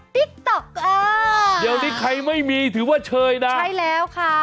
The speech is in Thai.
ติ๊กต๊อกเออเดี๋ยวนี้ใครไม่มีถือว่าเชยนะใช่แล้วค่ะ